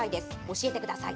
教えてください。